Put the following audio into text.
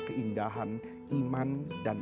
keindahan iman dan